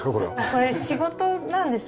これ仕事なんです。